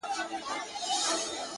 مور مي خپه ده ها ده ژاړي راته;